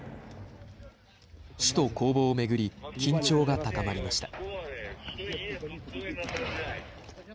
首都攻防を巡り緊張が高まりました。